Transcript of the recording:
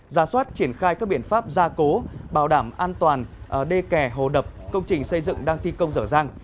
giả soát triển khai các biện pháp gia cố bảo đảm an toàn đê kè hồ đập công trình xây dựng đang thi công rở ràng